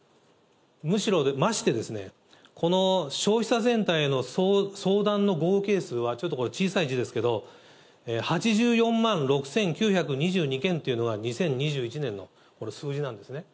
むしろ、まして、この消費者センターへの相談の合計数は、ちょっとこれ、小さい字ですけど、８４万６９２２件というのが２０２１年の、これ、数字なんですね。